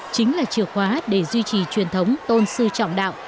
chính là chìa khóa để duy trì truyền thống tôn sư trọng đạo